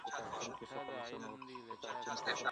د بهرني سیاست لخوا د وګړو ژوند ته نه پاملرنه کیږي.